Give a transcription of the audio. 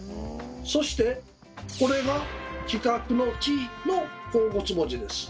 そしてこれが企画の「企」の甲骨文字です。